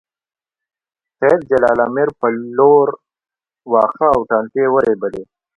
سېد جلال امیر په لور واښه او ټانټې ورېبلې